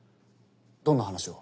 どんな話を？